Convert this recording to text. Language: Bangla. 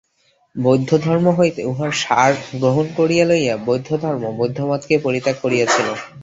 বৌদ্ধধর্ম হইতে উহার সার গ্রহণ করিয়া লইয়া হিন্দুধর্ম বৌদ্ধমতকে পরিত্যাগ করিয়াছিল।